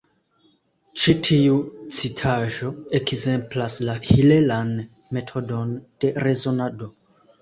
Ĉi tiu citaĵo ekzemplas la hilelan metodon de rezonado.